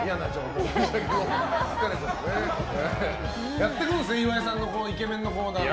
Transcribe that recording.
やってくんですね、岩井さんのイケメンのコーナーも。